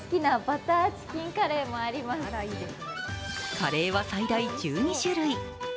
カレーは最大１２種類。